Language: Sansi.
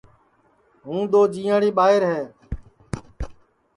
ہُوں دؔو جِئیئاڑی ٻائیر ہے